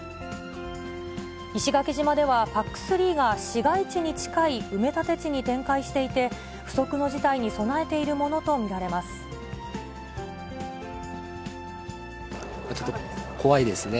石垣島では、ＰＡＣ３が市街地に近い埋め立て地に展開していて、不測の事態にちょっと怖いですね。